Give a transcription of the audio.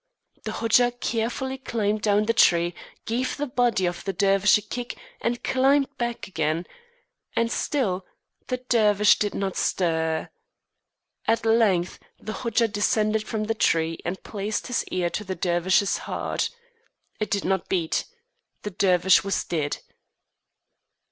The Hodja carefully climbed down the tree, gave the body of the Dervish a kick, and climbed back again, and still the Dervish did not stir. At length the Hodja descended from the tree and placed his ear to the Dervish's heart. It did not beat. The Dervish was dead.